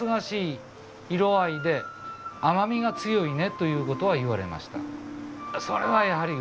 という事は言われました。